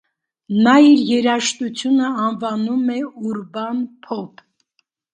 Նա իր երաժշտությունը անվանում է «ուրբան փոփ»։